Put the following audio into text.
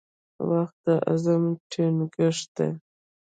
• وخت د عزم ټینګښت دی.